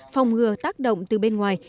phòng ngừa tác động từ bên ngoài